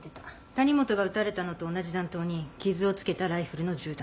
谷本が撃たれたのと同じ弾頭に傷を付けたライフルの銃弾。